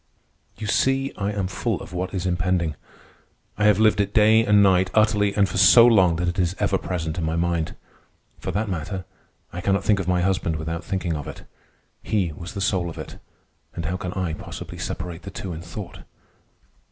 You see, I am full of what is impending. I have lived it day and night utterly and for so long that it is ever present in my mind. For that matter, I cannot think of my husband without thinking of it. He was the soul of it, and how can I possibly separate the two in thought?